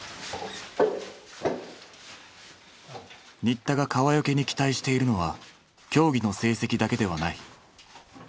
新田が川除に期待しているのは競技の成績だけではない。